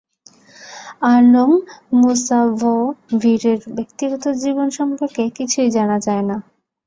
আলম মুসাববীরের ব্যক্তিগত জীবন সম্পর্কে কিছুই জানা যায় না।